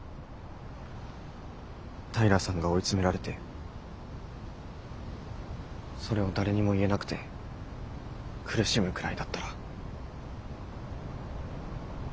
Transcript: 平さんが追い詰められてそれを誰にも言えなくて苦しむくらいだったら。